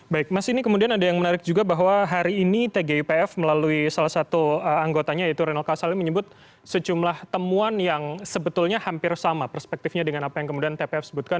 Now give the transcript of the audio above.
baik mas ini kemudian ada yang menarik juga bahwa hari ini tgipf melalui salah satu anggotanya yaitu renol kasali menyebut sejumlah temuan yang sebetulnya hampir sama perspektifnya dengan apa yang kemudian tpf sebutkan